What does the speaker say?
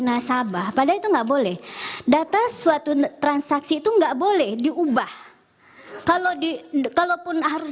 nasabah padahal itu enggak boleh data suatu transaksi itu enggak boleh diubah kalau di kalaupun harus